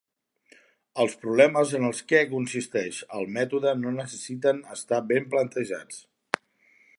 Els problemes en els què consisteix el mètode no necessiten estar ben plantejats.